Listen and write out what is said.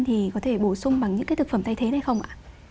thì có thể bổ sung bằng những cái thực phẩm thay thế này không ạ